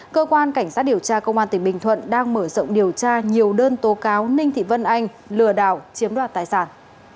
cơ quan cảnh sát điều tra công an tỉnh bình thuận đang mở rộng điều tra nhiều đơn tố cáo ninh thị vân anh lừa đảo chiếm đoạt tài sản